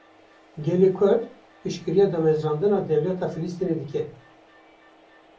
Gelê Kurd, piştgiriya damezrandina dewleta Filistînê dike